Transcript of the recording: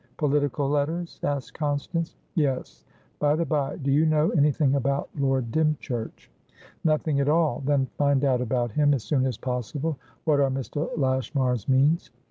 "Political letters?" asked Constance. "Yes. By the bye, do you know anything about Lord Dymchurch?" "Nothing at all." "Then find out about him as soon as possible. What are Mr. Lashmar's means?"